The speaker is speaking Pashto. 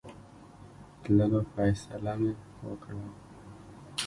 تللو فیصله مې وکړه.